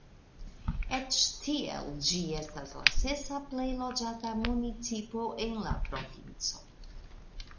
Eĉ tiel ĝi estas la sesa plej loĝata municipo en la provinco.